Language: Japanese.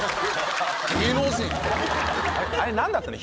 あれ何だったの？